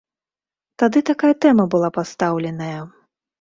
Тады такая тэма была пастаўленая.